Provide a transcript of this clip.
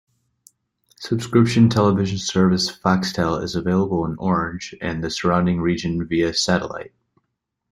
Subscription television service Foxtel is available in Orange and the surrounding region via satellite.